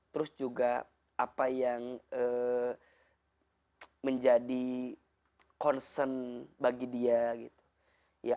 terus juga apa yang menjadi concern bagi dia gitu